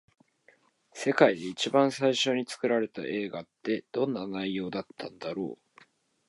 世界で一番最初に作られた映画って、どんな内容だったんだろう。